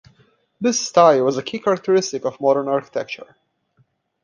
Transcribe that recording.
This style was a key characteristic of modern architecture.